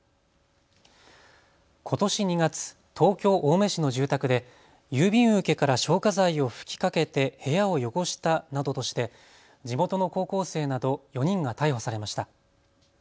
ことし２月、東京青梅市の住宅で郵便受けから消火剤を吹きかけて部屋を汚したなどとして地元の高校生など４人が逮捕されました。